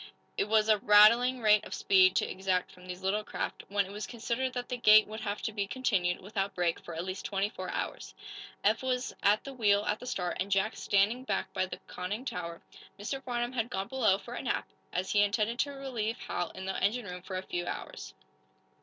It was a rattling rate of speed to exact from these little craft, when it was considered that the gait would have to be continued, without break, for at least twenty four hours. Eph was at the wheel, at the start, and Jack standing back by the conning tower. Mr. Farnum had gone below, for a nap, as he intended to relieve Hal in the engine room after a few hours.